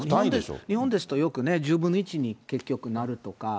日本ですとよく１０分の１に結局なるとか。